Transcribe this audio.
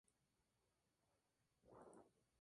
Actualmente milita en la Segunda División de Finlandia.